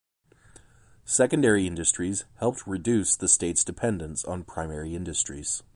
Secondary industries helped reduce the state's dependence on primary industries.